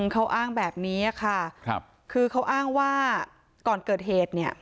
เขาอ้างแบบนี้ค่ะครับคือเขาอ้างว่าก่อนเกิดเหตุเนี่ย